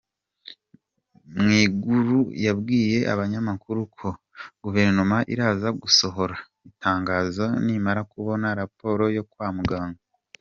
Mwigulu yabwiye abanyamakuru ko Guverinoma iraza gusohora itangazo nimara kubona raporo yo kwa muganga.